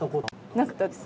なかったです。